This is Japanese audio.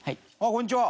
こんにちは。